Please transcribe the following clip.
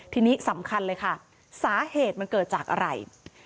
ทีนี้สำคัญเลยค่ะสาเหตุมันเกิดจากอะไร